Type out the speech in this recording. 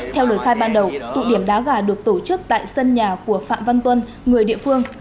theo lời khai ban đầu tụ điểm đá gà được tổ chức tại sân nhà của phạm văn tuân người địa phương